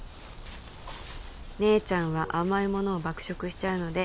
「姉ちゃんは甘い物を爆食しちゃうので」